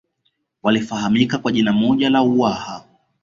walifahamika kwa jina moja la Uwaha